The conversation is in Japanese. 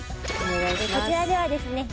こちらではですね